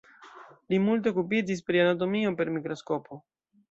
Li multe okupiĝis pri anatomio per mikroskopo.